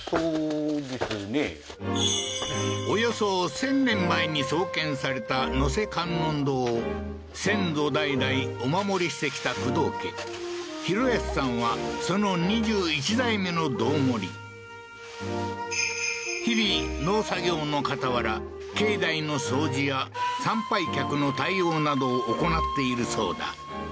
およそ１０００年前に創建された野瀬観音堂を先祖代々お守りしてきた工藤家宏靖さんはその二十一代目の堂守日々農作業のかたわら境内の掃除や参拝客の対応などを行っているそうだ